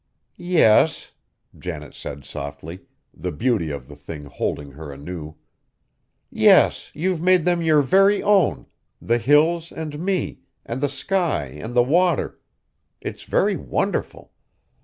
"Yes!" Janet said softly, the beauty of the thing holding her anew, "yes! You've made them your very own, the Hills, and me, and the sky and the water! It's very wonderful.